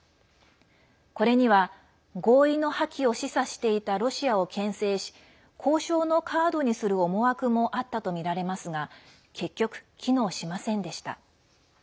これには、合意の破棄を示唆していたロシアをけん制し交渉のカードにする思惑もあったとみられますが結局、機能しませんでした。